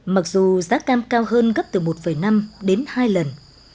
mặc dù giá cam cao hơn gấp từ một năm đến hai lần